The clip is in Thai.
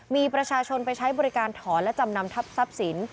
มีประชาชนไปใช้บริการถอนและจำนำทับทรัพย์สิน